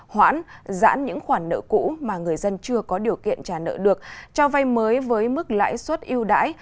hoãn giãn những khoản nợ cũ mà người dân chưa có điều kiện trả nợ được cho vay mới với mức lãi suất yêu đãi